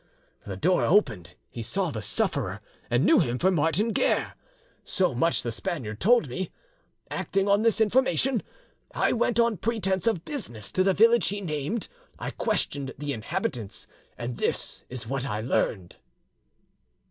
The door opened, he saw the sufferer, and knew him for Martin Guerre. So much the Spaniard told me. Acting on this information, I went on pretence of business to the village he named, I questioned the inhabitants, and this is what I learned."